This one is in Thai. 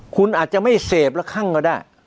คุณอาจจะไม่เสพละคั่งก็ได้